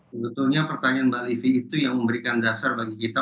sebetulnya pertanyaan mbak livi itu yang memberikan dasar bagi kita